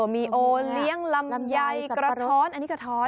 มีโอเลี้ยงลำไยกระท้อนอันนี้กระท้อน